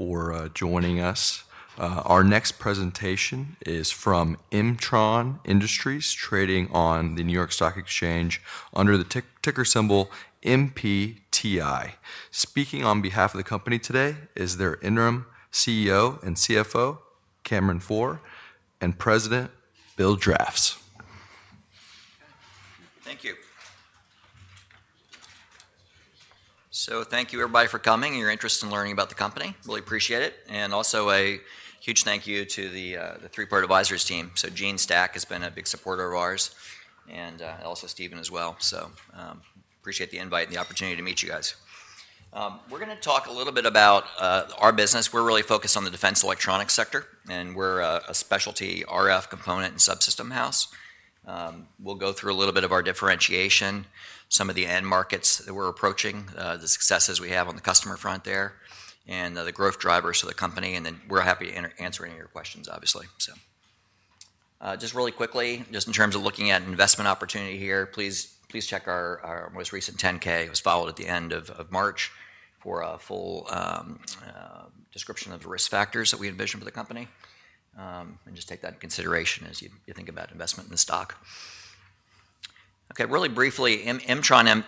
For joining us. Our next presentation is from M-tron Industries, trading on the New York Stock Exchange under the ticker symbol MPTI. Speaking on behalf of the company today is their interim CEO and CFO, Cameron Pforr, and President Bill Drafts. Thank you. Thank you, everybody, for coming and your interest in learning about the company. Really appreciate it. Also a huge thank you to the Three Part Advisors team. Gene Stack has been a big supporter of ours, and also Stephen as well. Appreciate the invite and the opportunity to meet you guys. We're going to talk a little bit about our business. We're really focused on the defense electronics sector, and we're a specialty RF component and subsystem house. We'll go through a little bit of our differentiation, some of the end markets that we're approaching, the successes we have on the customer front there, and the growth drivers for the company. We're happy to answer any of your questions, obviously. Just really quickly, just in terms of looking at investment opportunity here, please check our most recent 10-K. It was filed at the end of March for a full description of the risk factors that we envision for the company. Just take that into consideration as you think about investment in the stock. Okay, really briefly, M-tron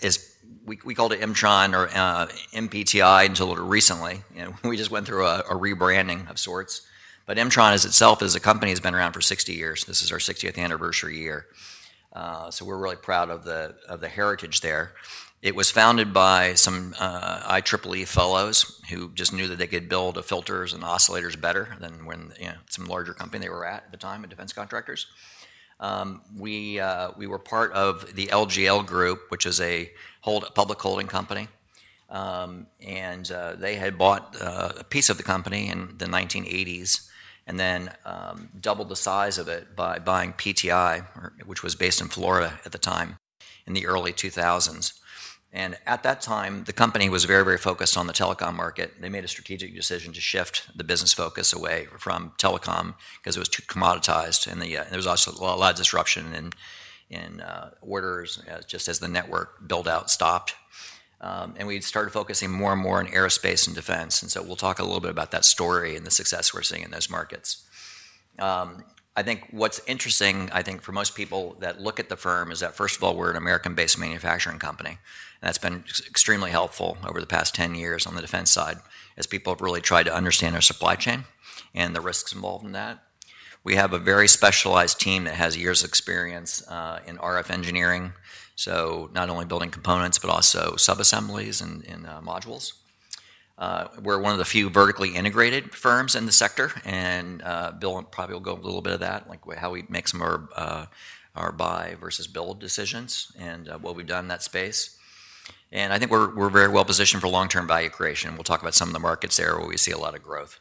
is, we called it M-tron or MPTI until recently. We just went through a rebranding of sorts. M-tron as itself, as a company, has been around for 60 years. This is our 60th anniversary year. We're really proud of the heritage there. It was founded by some IEEE fellows who just knew that they could build filters and oscillators better than when some larger company they were at at the time, a defense contractors. We were part of the LGL Group, which is a public holding company. They had bought a piece of the company in the 1980s and then doubled the size of it by buying PTI, which was based in Florida at the time in the early 2000s. At that time, the company was very, very focused on the telecom market. They made a strategic decision to shift the business focus away from telecom because it was too commoditized. There was also a lot of disruption in orders just as the network build-out stopped. We started focusing more and more on aerospace and defense. We'll talk a little bit about that story and the success we're seeing in those markets. I think what's interesting, I think, for most people that look at the firm is that, first of all, we're an American-based manufacturing company. That's been extremely helpful over the past 10 years on the defense side as people have really tried to understand our supply chain and the risks involved in that. We have a very specialized team that has years of experience in RF engineering, so not only building components, but also sub-assemblies and modules. We're one of the few vertically integrated firms in the sector. Bill probably will go a little bit of that, like how we make some of our buy versus build decisions and what we've done in that space. I think we're very well positioned for long-term value creation. We'll talk about some of the markets there where we see a lot of growth.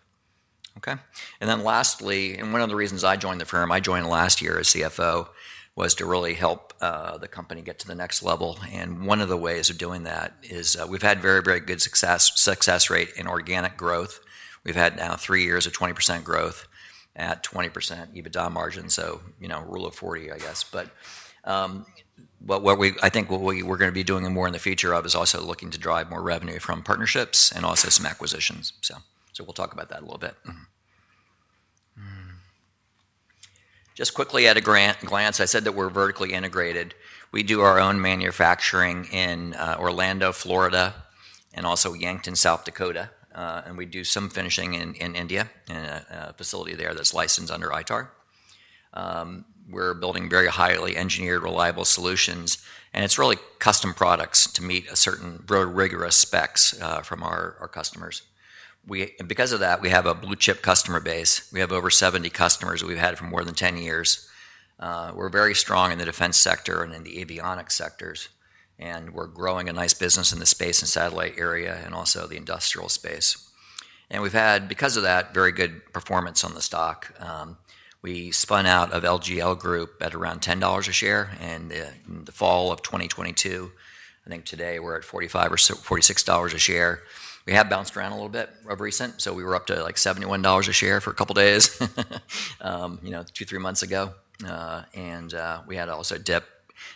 Okay. Lastly, and one of the reasons I joined the firm, I joined last year as CFO, was to really help the company get to the next level. One of the ways of doing that is we've had very, very good success rate in organic growth. We've had now three years of 20% growth at 20% EBITDA margin. Rule of 40, I guess. I think what we're going to be doing more in the future of is also looking to drive more revenue from partnerships and also some acquisitions. We'll talk about that a little bit. Just quickly at a glance, I said that we're vertically integrated. We do our own manufacturing in Orlando, Florida, and also Yankton, South Dakota. We do some finishing in India, in a facility there that's licensed under ITAR. We're building very highly engineered, reliable solutions. It's really custom products to meet certain very rigorous specs from our customers. Because of that, we have a blue-chip customer base. We have over 70 customers that we've had for more than 10 years. We're very strong in the defense sector and in the avionics sectors. We're growing a nice business in the space and satellite area and also the industrial space. We've had, because of that, very good performance on the stock. We spun out of LGL Group at around $10 a share. In the fall of 2022, I think today we're at $45 or $46 a share. We have bounced around a little bit recently. We were up to like $71 a share for a couple of days, two, three months ago. We had also a dip,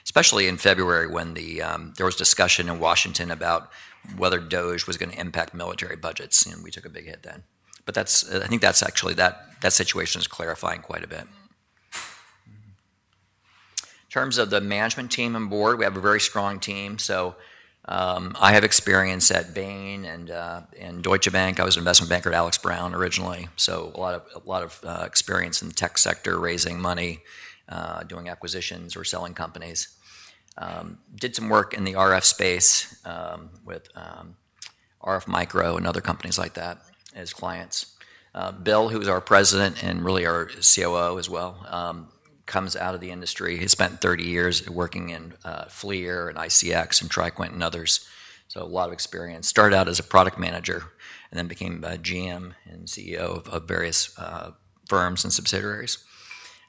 especially in February when there was discussion in Washington about whether DOGE was going to impact military budgets. We took a big hit then. I think that's actually that situation is clarifying quite a bit. In terms of the management team and board, we have a very strong team. I have experience at Bain and Deutsche Bank. I was an investment banker at Alex. Brown originally. A lot of experience in the tech sector, raising money, doing acquisitions or selling companies. Did some work in the RF space with RF Micro and other companies like that as clients. Bill, who is our President and really our COO as well, comes out of the industry. He spent 30 years working in FLIR and ICX and TriQuint and others. A lot of experience. Started out as a product manager and then became GM and CEO of various firms and subsidiaries.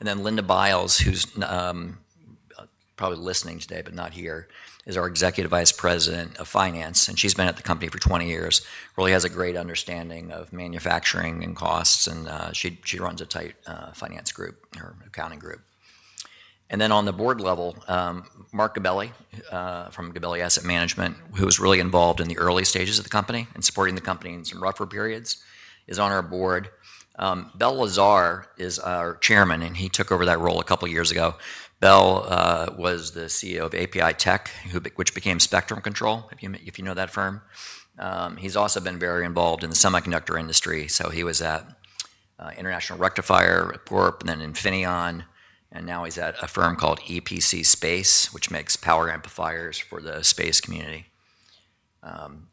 Linda Biles, who's probably listening today but not here, is our Executive Vice President of Finance. She's been at the company for 20 years. Really has a great understanding of manufacturing and costs. She runs a tight finance group, her accounting group. At the board level, Mark Gabelli from Gabelli Funds, who was really involved in the early stages of the company and supporting the company in some rougher periods, is on our board. Bell Lazar is our chairman, and he took over that role a couple of years ago. Bell was the CEO of API Technologies, which became Spectrum Control, if you know that firm. He's also been very involved in the semiconductor industry. He was at International Rectifier and then Infineon. Now he's at a firm called EPC Space, which makes power amplifiers for the space community.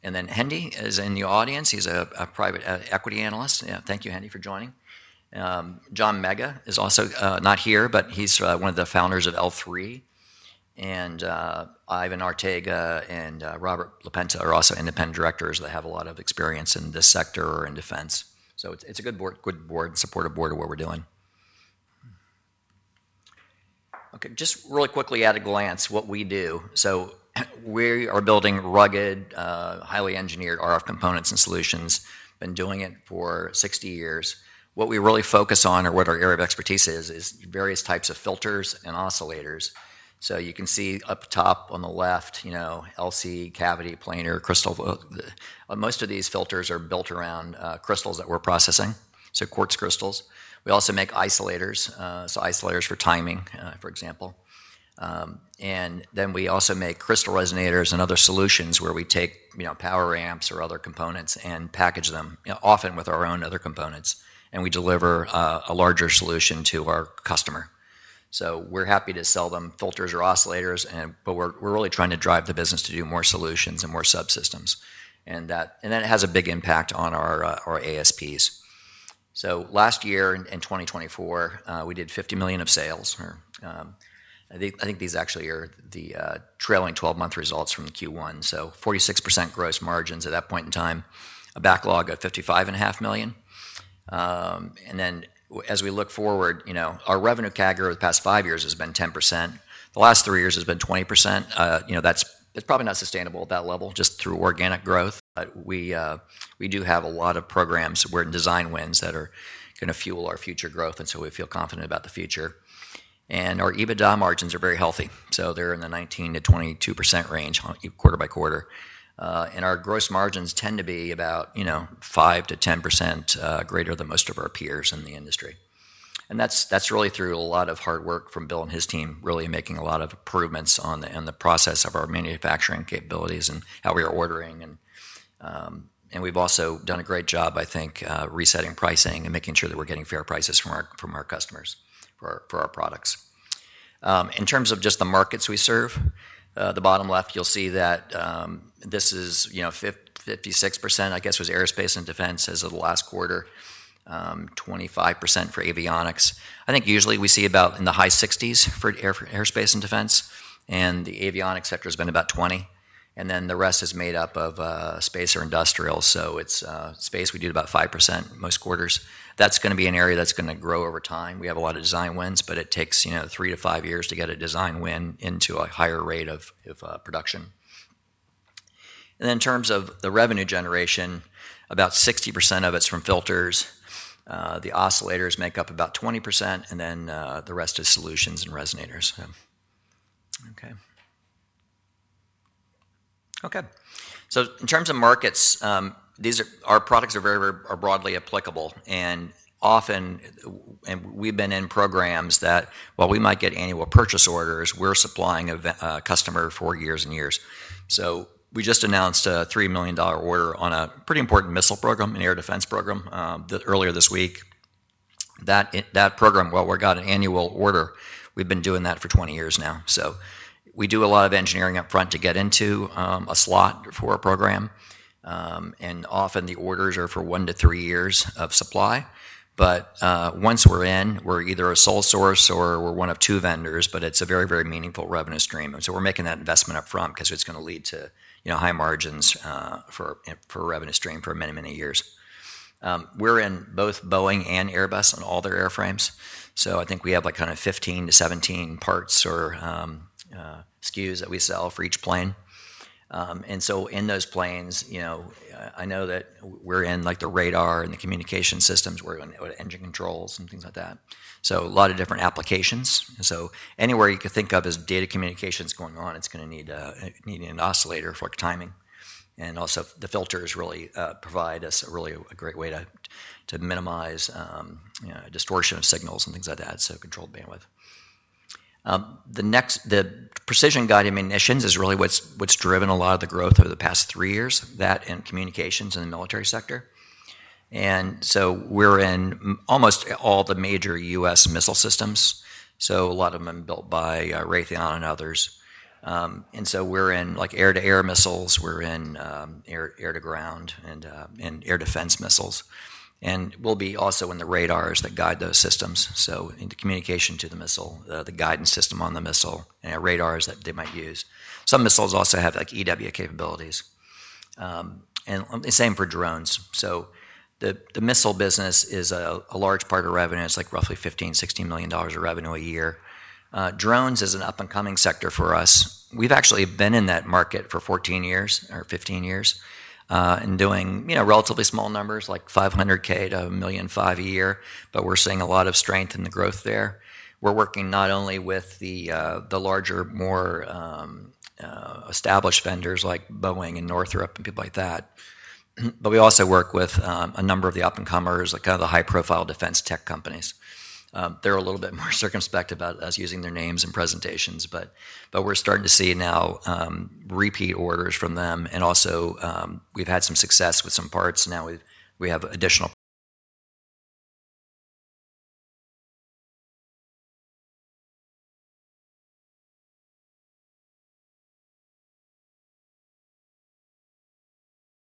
Hendy is in the audience. He's a private equity analyst. Thank you, Hendy, for joining. John Mega is also not here, but he's one of the founders of L3. Ivan Ortega and Robert Lopez are also independent directors that have a lot of experience in this sector and defense. It's a good board, supportive board of what we're doing. Okay, just really quickly at a glance what we do. We are building rugged, highly engineered RF components and solutions. Been doing it for 60 years. What we really focus on or what our area of expertise is, is various types of filters and oscillators. You can see up top on the left, LC cavity, planar, crystal. Most of these filters are built around crystals that we're processing, so quartz crystals. We also make isolators, so isolators for timing, for example. We also make crystal resonators and other solutions where we take power amps or other components and package them often with our own other components. We deliver a larger solution to our customer. We are happy to sell them filters or oscillators, but we are really trying to drive the business to do more solutions and more subsystems. That has a big impact on our ASPs. Last year in 2024, we did $50 million of sales. I think these actually are the trailing 12-month results from Q1. 46% gross margins at that point in time, a backlog of $55.5 million. As we look forward, our revenue CAGR over the past five years has been 10%. The last three years has been 20%. That is probably not sustainable at that level just through organic growth. We do have a lot of programs where design wins that are going to fuel our future growth. We feel confident about the future. Our EBITDA margins are very healthy. They are in the 19%-22% range quarter by quarter. Our gross margins tend to be about 5%-10% greater than most of our peers in the industry. That is really through a lot of hard work from Bill and his team, really making a lot of improvements on the process of our manufacturing capabilities and how we are ordering. We have also done a great job, I think, resetting pricing and making sure that we are getting fair prices from our customers for our products. In terms of just the markets we serve, the bottom left, you'll see that this is 56%, I guess, was aerospace and defense as of the last quarter, 25% for avionics. I think usually we see about in the high 60s for aerospace and defense. The avionics sector has been about 20. The rest is made up of space or industrial. It is space. We do about 5% most quarters. That is going to be an area that is going to grow over time. We have a lot of design wins, but it takes three to five years to get a design win into a higher rate of production. In terms of the revenue generation, about 60% of it is from filters. The oscillators make up about 20%, and the rest is solutions and resonators. Okay. Okay. In terms of markets, our products are very broadly applicable. And often, we've been in programs that, while we might get annual purchase orders, we're supplying a customer for years and years. We just announced a $3 million order on a pretty important missile program, an air defense program, earlier this week. That program, while we got an annual order, we've been doing that for 20 years now. We do a lot of engineering upfront to get into a slot for a program. Often the orders are for one- to three years of supply. Once we're in, we're either a sole source or we're one of two vendors, but it's a very, very meaningful revenue stream. We're making that investment upfront because it's going to lead to high margins for a revenue stream for many, many years. We're in both Boeing and Airbus on all their airframes. I think we have kind of 15-17 parts or SKUs that we sell for each plane. In those planes, I know that we're in the radar and the communication systems. We're in engine controls and things like that. A lot of different applications. Anywhere you could think of as data communications going on, it's going to need an oscillator for timing. Also, the filters really provide us a really great way to minimize distortion of signals and things like that, so controlled bandwidth. The precision-guided munitions is really what's driven a lot of the growth over the past three years, that and communications in the military sector. We're in almost all the major U.S. missile systems. A lot of them are built by Raytheon and others. We're in air-to-air missiles. We're in air-to-ground and air defense missiles. We'll be also in the radars that guide those systems. In the communication to the missile, the guidance system on the missile, and radars that they might use. Some missiles also have EW capabilities. Same for drones. The missile business is a large part of revenue. It's roughly $15 million-$16 million of revenue a year. Drones is an up-and-coming sector for us. We've actually been in that market for 14 years or 15 years and doing relatively small numbers, like $500,000 to $1.5 million a year. We're seeing a lot of strength in the growth there. We're working not only with the larger, more established vendors like Boeing and Northrop and people like that, but we also work with a number of the up-and-comers, kind of the high-profile defense tech companies. They're a little bit more circumspect about us using their names in presentations, but we're starting to see now repeat orders from them. Also, we've had some success with some parts. Now we have additional,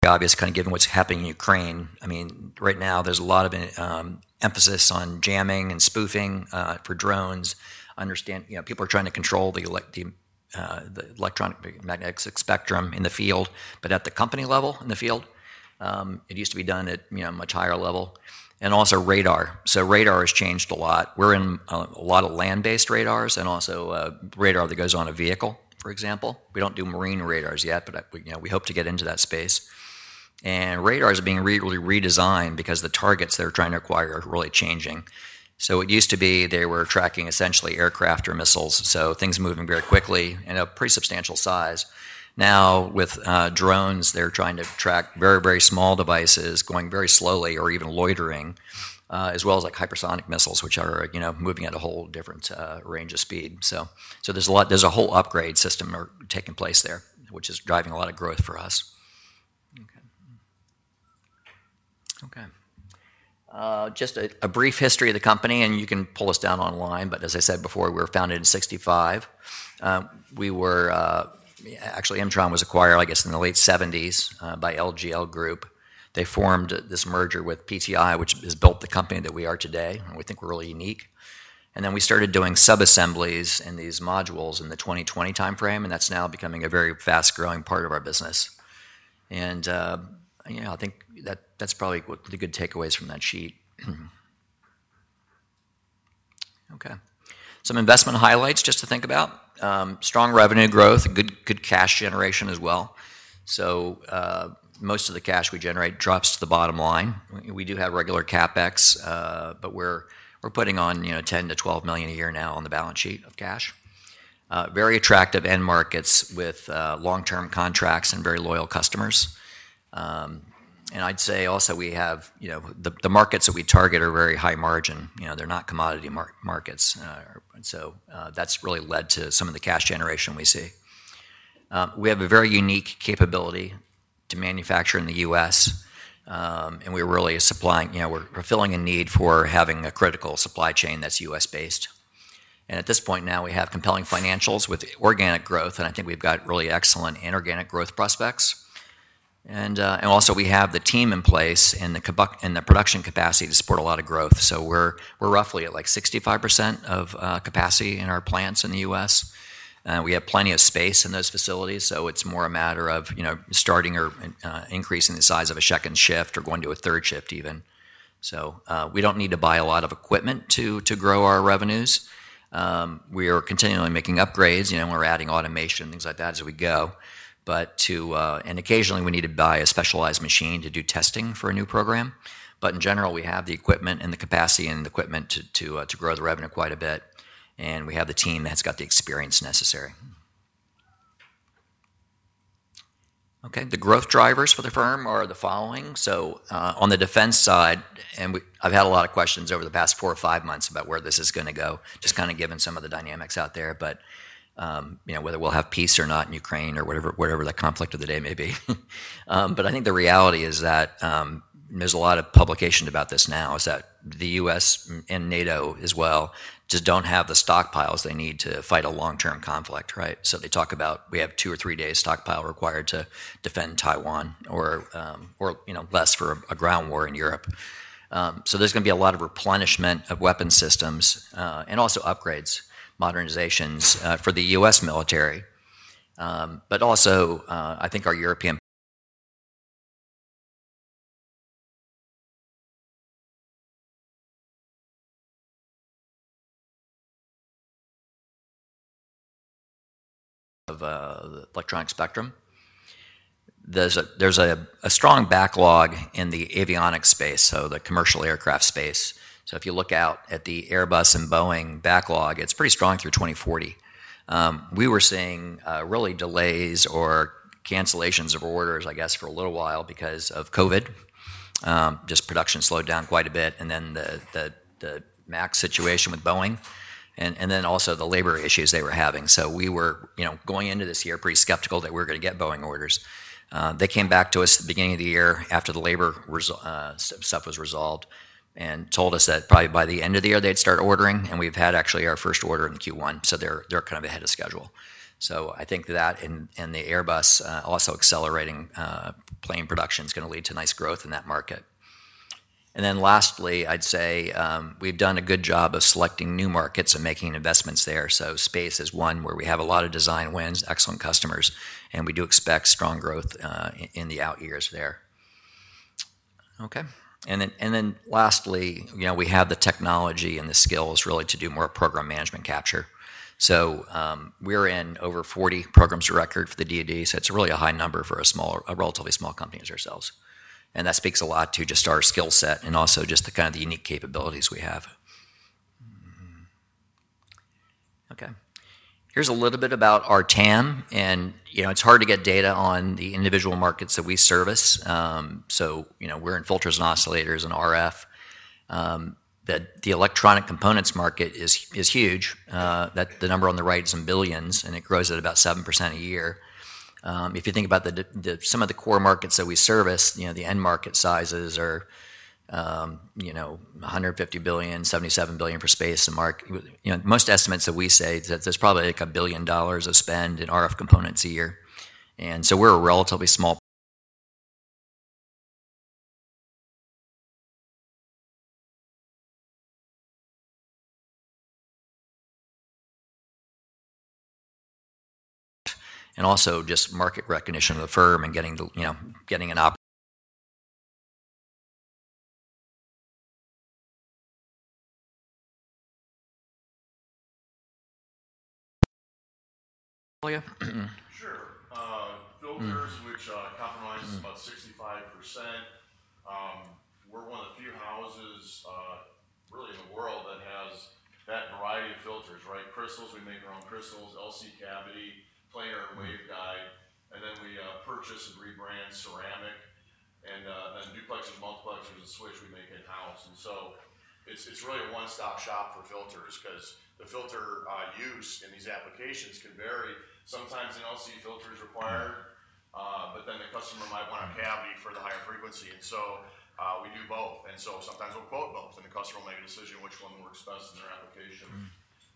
obvious, kind of given what's happening in Ukraine. I mean, right now there's a lot of emphasis on jamming and spoofing for drones. People are trying to control the electromagnetic spectrum in the field. At the company level in the field, it used to be done at a much higher level. Also, radar. Radar has changed a lot. We're in a lot of land-based radars and also radar that goes on a vehicle, for example. We do not do marine radars yet, but we hope to get into that space. Radars are being really redesigned because the targets they are trying to acquire are really changing. It used to be they were tracking essentially aircraft or missiles, so things moving very quickly and a pretty substantial size. Now with drones, they are trying to track very, very small devices going very slowly or even loitering, as well as hypersonic missiles, which are moving at a whole different range of speed. There is a whole upgrade system taking place there, which is driving a lot of growth for us. Okay. Just a brief history of the company, and you can pull us down online. As I said before, we were founded in 1965. Actually, M-tron was acquired, I guess, in the late 1970s by LGL Group. They formed this merger with PTI, which has built the company that we are today. We think we're really unique. Then we started doing sub-assemblies in these modules in the 2020 timeframe. That's now becoming a very fast-growing part of our business. I think that's probably the good takeaways from that sheet. Okay. Some investment highlights just to think about. Strong revenue growth, good cash generation as well. Most of the cash we generate drops to the bottom line. We do have regular CAPEX, but we're putting on $10 million-$12 million a year now on the balance sheet of cash. Very attractive end markets with long-term contracts and very loyal customers. I'd say also we have the markets that we target are very high margin. They're not commodity markets. That's really led to some of the cash generation we see. We have a very unique capability to manufacture in the U.S. We are really supplying, we are filling a need for having a critical supply chain that is U.S.-based. At this point now, we have compelling financials with organic growth. I think we have really excellent inorganic growth prospects. Also, we have the team in place and the production capacity to support a lot of growth. We are roughly at like 65% of capacity in our plants in the U.S. We have plenty of space in those facilities. It is more a matter of starting or increasing the size of a second shift or going to a third shift even. We do not need to buy a lot of equipment to grow our revenues. We are continually making upgrades. We are adding automation and things like that as we go. Occasionally, we need to buy a specialized machine to do testing for a new program. In general, we have the equipment and the capacity and the equipment to grow the revenue quite a bit. We have the team that's got the experience necessary. Okay. The growth drivers for the firm are the following. On the defense side, and I've had a lot of questions over the past four or five months about where this is going to go, just kind of given some of the dynamics out there, whether we'll have peace or not in Ukraine or whatever the conflict of the day may be. I think the reality is that there's a lot of publication about this now is that the U.S. and NATO as well just do not have the stockpiles they need to fight a long-term conflict, right? They talk about we have two or three days stockpile required to defend Taiwan or less for a ground war in Europe. There's going to be a lot of replenishment of weapon systems and also upgrades, modernizations for the U.S. military. Also, I think our European, of electronic spectrum. There's a strong backlog in the avionics space, so the commercial aircraft space. If you look out at the Airbus and Boeing backlog, it's pretty strong through 2040. We were seeing really delays or cancellations of orders, I guess, for a little while because of COVID. Just production slowed down quite a bit. The MAX situation with Boeing, and then also the labor issues they were having. We were going into this year pretty skeptical that we were going to get Boeing orders. They came back to us at the beginning of the year after the labor stuff was resolved and told us that probably by the end of the year they'd start ordering. We've had actually our first order in Q1. They are kind of ahead of schedule. I think that and the Airbus also accelerating plane production is going to lead to nice growth in that market. Lastly, I'd say we've done a good job of selecting new markets and making investments there. Space is one where we have a lot of design wins, excellent customers, and we do expect strong growth in the out years there. Okay. Lastly, we have the technology and the skills really to do more program management capture. We are in over 40 programs of record for the DOD. It's really a high number for a relatively small company as ourselves. That speaks a lot to just our skill set and also just the kind of the unique capabilities we have. Okay. Here's a little bit about our TAM. It's hard to get data on the individual markets that we service. We're in filters and oscillators and RF. The electronic components market is huge. The number on the right is in billions, and it grows at about 7% a year. If you think about some of the core markets that we service, the end market sizes are $150 billion, $77 billion for space and market. Most estimates that we say that there's probably like $1 billion of spend in RF components a year. We're relatively small. Also just market recognition of the firm and getting an. Sure. Filters, which comprise about 65%. We're one of the few houses really in the world that has that variety of filters, right? Crystals, we make our own crystals, LC cavity, planar, waveguide. And then we purchase and rebrand ceramic. Then duplexers, multiplexers, and switch we make in-house. It is really a one-stop shop for filters because the filter use in these applications can vary. Sometimes an LC filter is required, but then the customer might want a cavity for the higher frequency. We do both. Sometimes we will quote both, and the customer will make a decision which one works best in their application.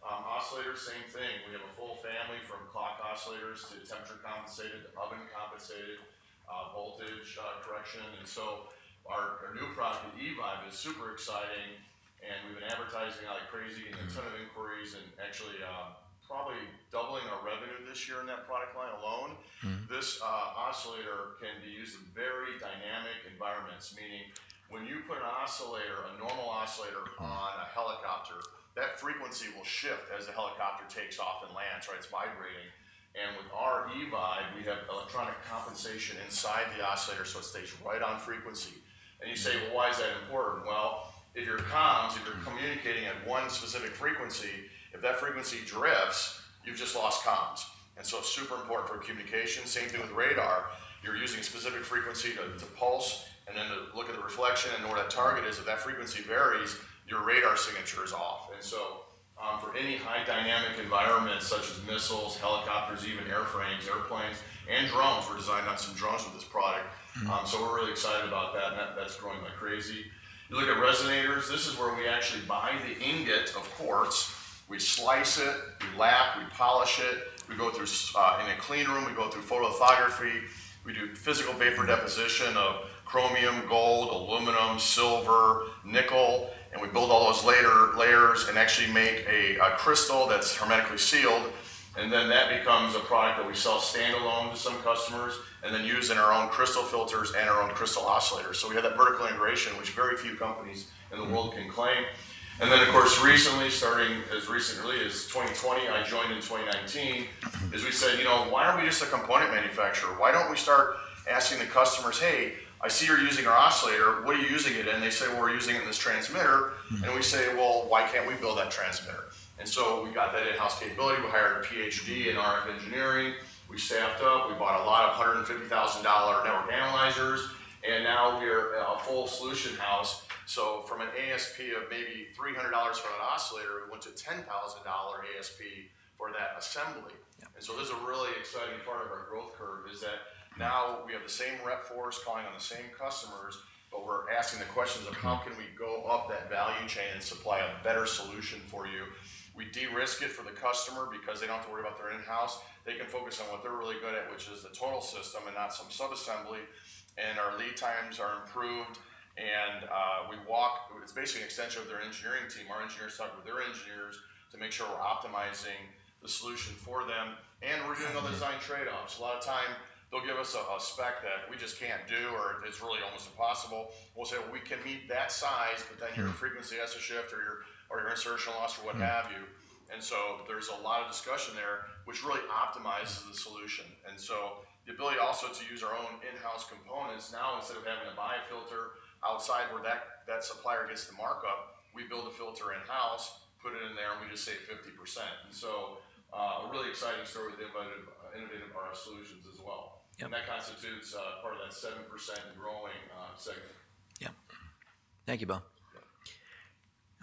Oscillators, same thing. We have a full family from clock oscillators to temperature compensated, oven compensated, voltage correction. Our new product, the EVIVE, is super exciting. We have been advertising like crazy and a ton of inquiries and actually probably doubling our revenue this year in that product line alone. This oscillator can be used in very dynamic environments, meaning when you put an oscillator, a normal oscillator on a helicopter, that frequency will shift as the helicopter takes off and lands, right? It is vibrating. With our EVIVE, we have electronic compensation inside the oscillator, so it stays right on frequency. You say, "Why is that important?" If your comms, if you are communicating at one specific frequency, if that frequency drifts, you have just lost comms. It is super important for communication. Same thing with radar. You are using a specific frequency to pulse and then to look at the reflection and know what that target is. If that frequency varies, your radar signature is off. For any high-dynamic environment, such as missiles, helicopters, even airframes, airplanes, and drones, we're designing on some drones with this product. We're really excited about that, and that's growing like crazy. You look at resonators. This is where we actually buy the ingot, of course. We slice it, we lap, we polish it. We go through in a clean room. We go through photography. We do physical vapor deposition of chromium, gold, aluminum, silver, nickel. We build all those layers and actually make a crystal that's hermetically sealed. That becomes a product that we sell standalone to some customers and then use in our own crystal filters and our own crystal oscillators. We have that vertical integration, which very few companies in the world can claim. Of course, recently, starting as recently as 2020, I joined in 2019, as we said, "Why aren't we just a component manufacturer? Why don't we start asking the customers, 'Hey, I see you're using our oscillator. What are you using it in?'" They say, "We're using it in this transmitter." We say, "Why can't we build that transmitter?" We got that in-house capability. We hired a PhD in RF engineering. We staffed up. We bought a lot of $150,000 network analyzers. Now we are a full solution house. From an ASP of maybe $300 for that oscillator, we went to $10,000 ASP for that assembly. This is a really exciting part of our growth curve is that now we have the same rep force calling on the same customers, but we're asking the questions of how can we go up that value chain and supply a better solution for you. We de-risk it for the customer because they do not have to worry about their in-house. They can focus on what they are really good at, which is the total system and not some sub-assembly. Our lead times are improved. We walk, it is basically an extension of their engineering team. Our engineers talk with their engineers to make sure we are optimizing the solution for them. We are doing all the design trade-offs. A lot of time, they will give us a spec that we just cannot do or it is really almost impossible. We say, "Well, we can meet that size, but then your frequency has to shift or your insertion loss or what have you." There is a lot of discussion there, which really optimizes the solution. The ability also to use our own in-house components now, instead of having to buy a filter outside where that supplier gets the markup, we build a filter in-house, put it in there, and we just save 50%. A really exciting story with the innovative RF solutions as well. That constitutes part of that 7% growing segment. Yeah. Thank you, Bill.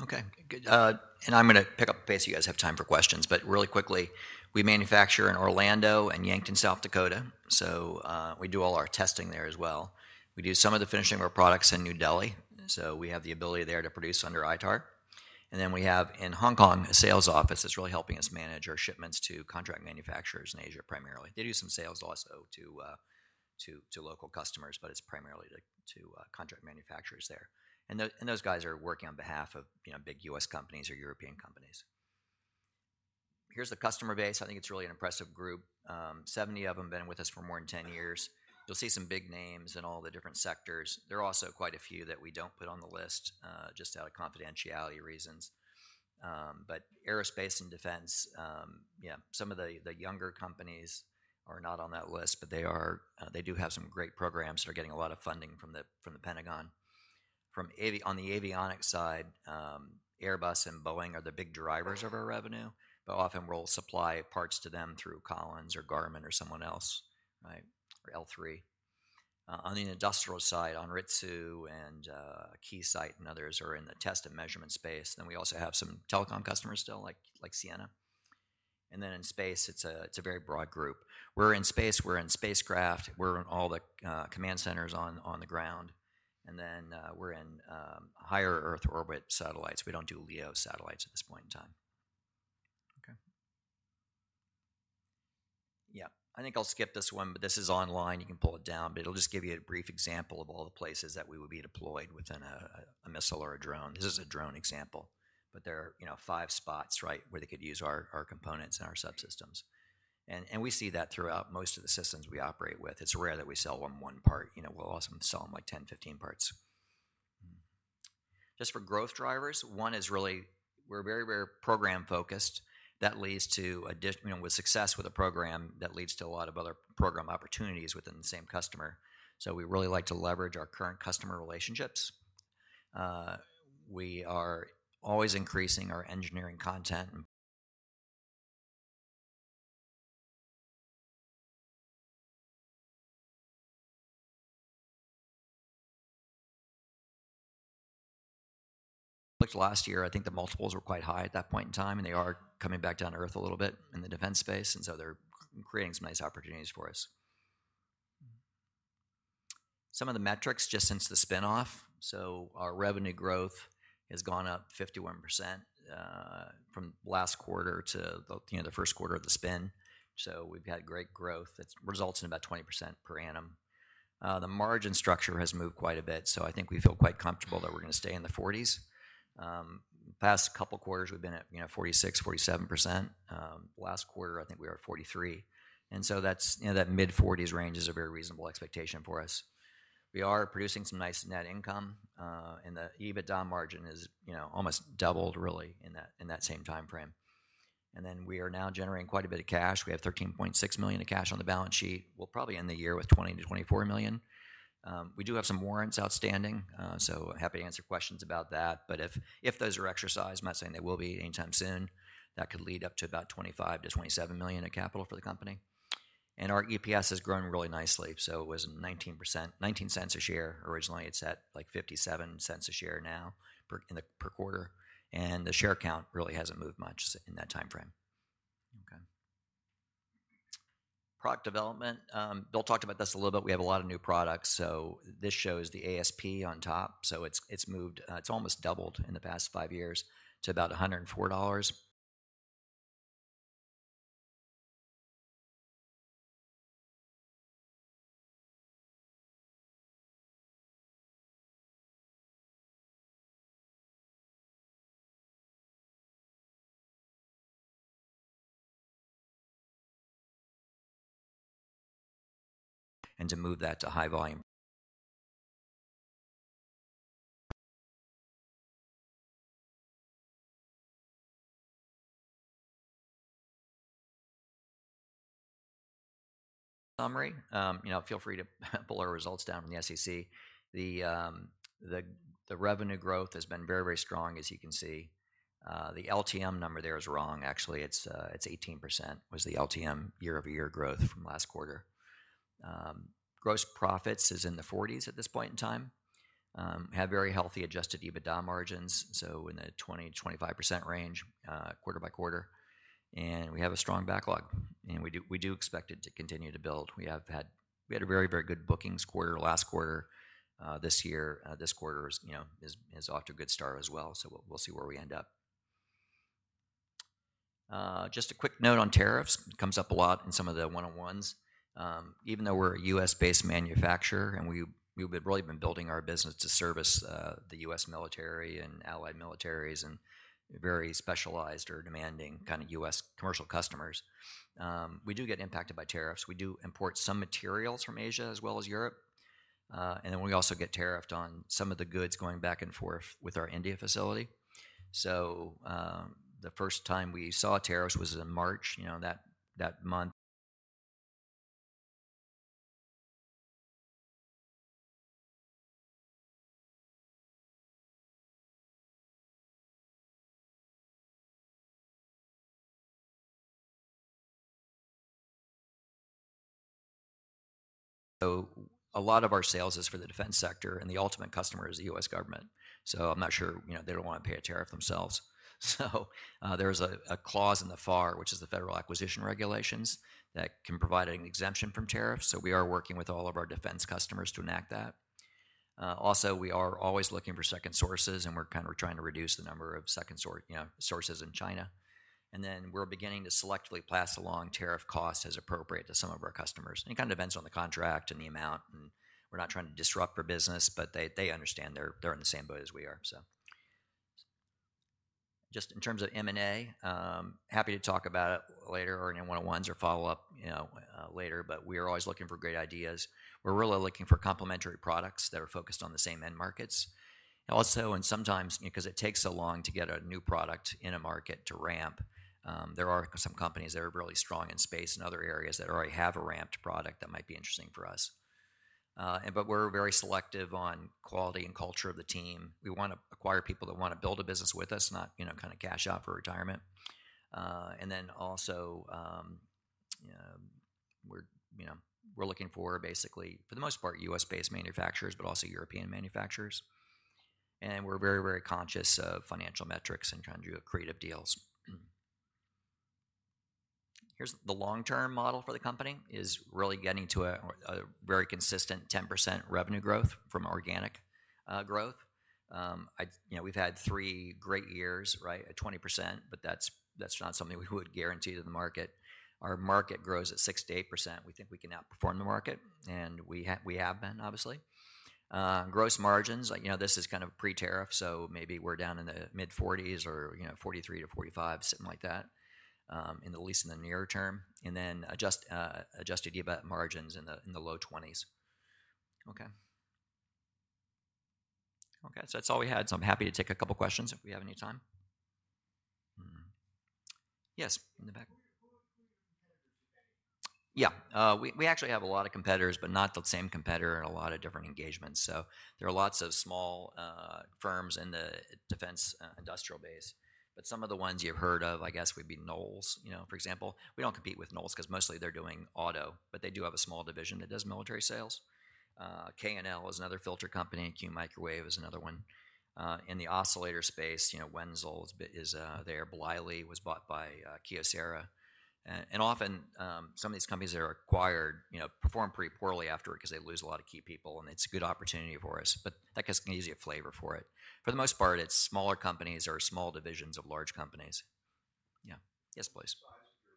Okay. I am going to pick up the pace if you guys have time for questions. Really quickly, we manufacture in Orlando and Yankton, South Dakota. We do all our testing there as well. We do some of the finishing of our products in New Delhi. We have the ability there to produce under ITAR. We have in Hong Kong a sales office that's really helping us manage our shipments to contract manufacturers in Asia primarily. They do some sales also to local customers, but it's primarily to contract manufacturers there. Those guys are working on behalf of big U.S. companies or European companies. Here's the customer base. I think it's really an impressive group. Seventy of them have been with us for more than 10 years. You'll see some big names in all the different sectors. There are also quite a few that we don't put on the list just out of confidentiality reasons. Aerospace and defense, yeah, some of the younger companies are not on that list, but they do have some great programs that are getting a lot of funding from the Pentagon. On the avionics side, Airbus and Boeing are the big drivers of our revenue, but often we'll supply parts to them through Collins or Garmin or someone else, right? Or L3. On the industrial side, Anritsu and Keysight and others are in the test and measurement space. Then we also have some telecom customers still like Ciena. In space, it's a very broad group. We're in space. We're in spacecraft. We're in all the command centers on the ground. We're in higher Earth orbit satellites. We don't do LEO satellites at this point in time. Okay. Yeah. I think I'll skip this one, but this is online. You can pull it down, but it'll just give you a brief example of all the places that we would be deployed within a missile or a drone. This is a drone example, but there are five spots, right, where they could use our components and our subsystems. We see that throughout most of the systems we operate with. It is rare that we sell them one part. We will also sell them like 10, 15 parts. Just for growth drivers, one is really we are very, very program-focused. That leads to a success with a program that leads to a lot of other program opportunities within the same customer. We really like to leverage our current customer relationships. We are always increasing our engineering content. Looked last year, I think the multiples were quite high at that point in time, and they are coming back down to Earth a little bit in the defense space. They are creating some nice opportunities for us. Some of the metrics just since the spinoff. Our revenue growth has gone up 51% from last quarter to the first quarter of the spin. We've had great growth. That results in about 20% per annum. The margin structure has moved quite a bit. I think we feel quite comfortable that we're going to stay in the 40s. The past couple of quarters, we've been at 46%, 47%. Last quarter, I think we were at 43%. That mid-40s range is a very reasonable expectation for us. We are producing some nice net income. The EBITDA margin has almost doubled really in that same time frame. We are now generating quite a bit of cash. We have $13.6 million of cash on the balance sheet. We'll probably end the year with $20-$24 million. We do have some warrants outstanding. Happy to answer questions about that. If those are exercised, I'm not saying they will be anytime soon. That could lead up to about $25 million-$27 million of capital for the company. Our EPS has grown really nicely. It was $0.19 a share originally. It's at like $0.57 a share now per quarter. The share count really hasn't moved much in that time frame. Okay. Product development. Bill talked about this a little bit. We have a lot of new products. This shows the ASP on top. It's moved. It's almost doubled in the past five years to about $104. To move that to high volume. Summary, feel free to pull our results down from the SEC. The revenue growth has been very, very strong, as you can see. The LTM number there is wrong. Actually, it's 18% was the LTM year-over-year growth from last quarter. Gross profits is in the 40s at this point in time. We have very healthy adjusted EBITDA margins, so in the 20-25% range quarter by quarter. We have a strong backlog. We do expect it to continue to build. We had a very, very good bookings quarter, last quarter this year. This quarter is off to a good start as well. We will see where we end up. Just a quick note on tariffs. It comes up a lot in some of the one-on-ones. Even though we are a U.S.-based manufacturer and we have really been building our business to service the U.S. military and allied militaries and very specialized or demanding kind of U.S. commercial customers, we do get impacted by tariffs. We do import some materials from Asia as well as Europe. We also get tariffed on some of the goods going back and forth with our India facility. The first time we saw tariffs was in March, that month. A lot of our sales is for the defense sector, and the ultimate customer is the U.S. government. I'm not sure they do not want to pay a tariff themselves. There is a clause in the FAR, which is the Federal Acquisition Regulations, that can provide an exemption from tariffs. We are working with all of our defense customers to enact that. We are always looking for second sources, and we are kind of trying to reduce the number of second sources in China. We are beginning to selectively pass along tariff costs as appropriate to some of our customers. It kind of depends on the contract and the amount. We're not trying to disrupt their business, but they understand they're in the same boat as we are. Just in terms of M&A, happy to talk about it later or in one-on-ones or follow up later, but we are always looking for great ideas. We're really looking for complementary products that are focused on the same end markets. Also, and sometimes because it takes so long to get a new product in a market to ramp, there are some companies that are really strong in space in other areas that already have a ramped product that might be interesting for us. We're very selective on quality and culture of the team. We want to acquire people that want to build a business with us, not kind of cash out for retirement. We're looking for basically, for the most part, U.S.-based manufacturers, but also European manufacturers. We're very, very conscious of financial metrics and trying to do creative deals. The long-term model for the company is really getting to a very consistent 10% revenue growth from organic growth. We've had three great years, right, at 20%, but that's not something we would guarantee to the market. Our market grows at 6-8%. We think we can outperform the market, and we have been, obviously. Gross margins, this is kind of pre-tariff, so maybe we're down in the mid-40s or 43-45%, something like that, at least in the near term. Adjusted EBIT margins in the low 20s. Okay. That's all we had. I'm happy to take a couple of questions if we have any time. Yes, in the back. Yeah. We have actually have a lot of competitors, but not the same competitor in a lot of different engagements. So there are lots of small firms in the defense industrial base. But some of the ones you've heard of, I guess, would be Knowles, for example. We don't compete with Knowles because mostly they're doing auto, but they do have a small division that does military sales. K&L is another filter company. Q Microwave is another one. In the oscillator space, Wenzel is there. Bilney was bought by Kyocera. And often, some of these companies that are acquired perform pretty poorly afterward because they lose a lot of key people, and it's a good opportunity for us. But that gives you a flavor for it. For the most part, it's smaller companies or small divisions of large companies. Yeah. Yes, please. Size of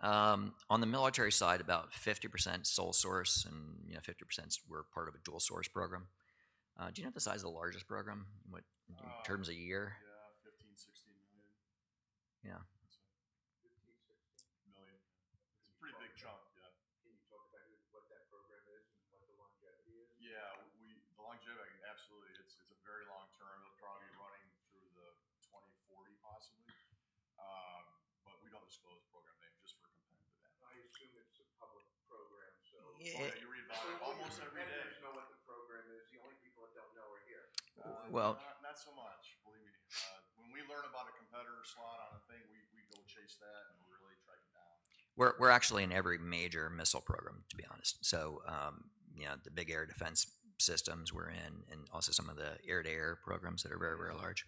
your largest program and how much of your business is sole source? On the military side, about 50% sole source and 50% were part of a dual-source program. Do you know the size of the largest program in terms of year? Yeah. $15 million, $16 million. Yeah. $15 million, $16 million. It's a pretty big chunk. yeah. Can you talk about what that program is and what the longevity is? Yeah. The longevity, absolutely. It's a very long term. It'll probably be running through 2040, possibly. We don't disclose the program name, just for comparison with that. I assume it's a public program, so. Yeah. You read about it almost every day. I don't know what the program is. The only people that don't know are here. Not so much. Believe me. When we learn about a competitor slot on a thing, we go chase that and really track it down. We're actually in every major missile program, to be honest. The big air defense systems we're in and also some of the air-to-air programs that are very, very large.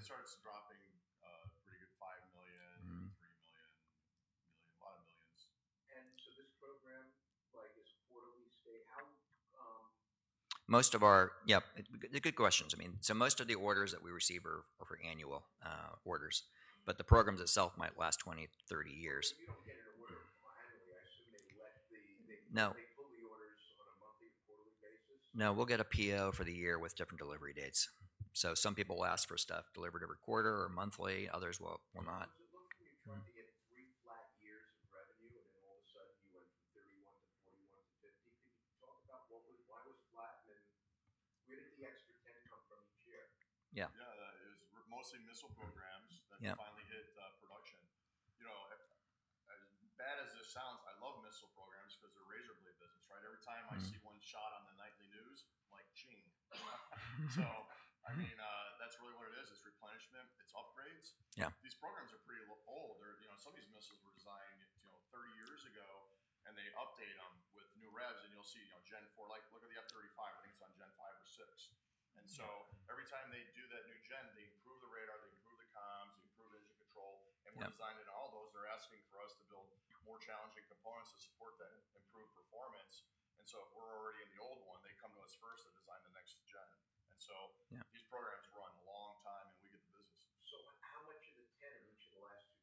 Yeah. After that, the next couple of programs, so 16 and then? Yeah. I mean, it starts dropping pretty good, $5 million, $3 million, a lot of millions. This program is quarterly stay. How? Most of our yeah. Good questions. I mean, most of the orders that we receive are for annual orders. The programs itself might last 20, 30 years. If you don't get an order from IMLE, I assume they left the No. They pull the orders on a monthly or quarterly basis? No. We'll get a PO for the year with different delivery dates. Some people will ask for stuff delivered every quarter or monthly. Others will not. Does it look to you trying to get three flat years of revenue and then all of a sudden you went from 31 to 41 to 50? Can you talk about why it was flat and then where did the extra 10 come from each year? Yeah. Yeah. It was mostly missile programs that finally hit production. As bad as this sounds, I love missile programs because they're razor-blade business, right? Every time I see one shot on the nightly news, I'm like, "Ching." I mean, that's really what it is. It's replenishment. It's upgrades. These programs are pretty old. Some of these missiles were designed 30 years ago, and they update them with new revs, and you'll see Gen 4. Look at the F-35. I think it's on Gen 5 or 6. Every time they do that new gen, they improve the radar, they improve the comms, they improve engine control. We're designed into all those. They're asking for us to build more challenging components to support that improved performance. If we're already in the old one, they come to us first to design the next gen. These programs run a long time, and we get the business. How much of the 10 in each of the last two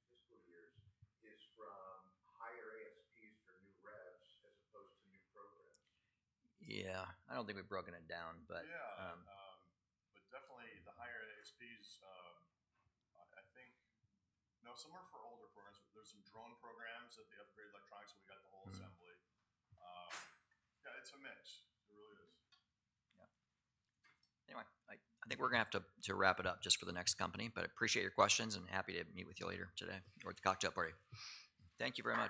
fiscal years is from higher ASPs for new revs as opposed to new programs? I don't think we've broken it down, but definitely the higher ASPs, I think, no, some were for older programs. There's some drone programs that upgrade electronics, and we got the whole assembly. Yeah. It's a mix. It really is. Yeah. Anyway, I think we're going to have to wrap it up just for the next company, but I appreciate your questions and happy to meet with you later today or at the cocktail party. Thank you very much.